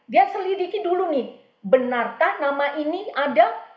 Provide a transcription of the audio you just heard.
dia selidiki dulu nih benarkah nama ini ada